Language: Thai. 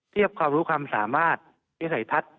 เทียบความรู้ความสามารถที่ใส่พัด